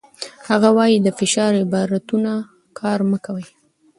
هغه وايي، د فشار عبارتونه کار مه کوئ.